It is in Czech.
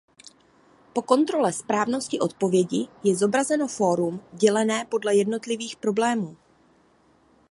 Po kontrole správnosti odpovědi je zobrazeno fórum dělené podle jednotlivých problémů.